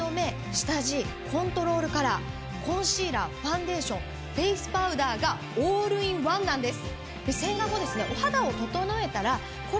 下地コントロールカラーコンシーラーファンデーションフェースパウダーがオールインワンなんです。